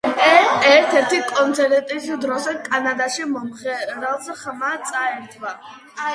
ერთ-ერთი კონცერტის დროს, კანადაში, მომღერალს ხმა წაერთვა.